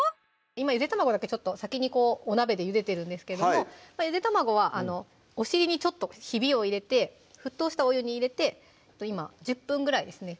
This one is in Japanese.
今ゆで卵だけちょっと先にお鍋でゆでてるんですけどもゆで卵はお尻にちょっとヒビを入れて沸騰したお湯に入れて今１０分ぐらいですね